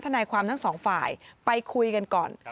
นายความทั้งสองฝ่ายไปคุยกันก่อน